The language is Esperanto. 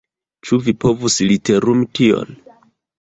Ĉu vi povus literumi tion?